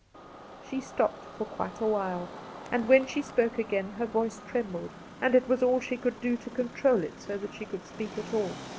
She stopped for quite a while, and when she spoke again her voice trembled and it was all she could do to control it so that she could speak at all.